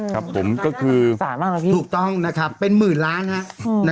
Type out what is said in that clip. ครับผมก็คือถูกต้องนะครับเป็นหมื่นล้านฮะ